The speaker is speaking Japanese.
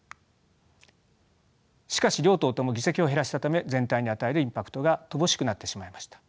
しかし両党とも議席を減らしたため全体に与えるインパクトが乏しくなってしまいました。